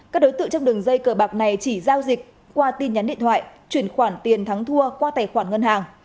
các đối tượng trong đường dây cờ bạc này chỉ giao dịch qua tin nhắn điện thoại chuyển khoản tiền thắng thua qua tài khoản ngân hàng